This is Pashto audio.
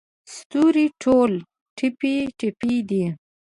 ستوري ټول ټپې، ټپي دی